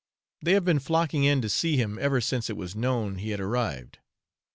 They have been flocking in to see him ever since it was known he had arrived.